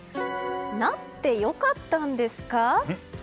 成ってよかったんですか？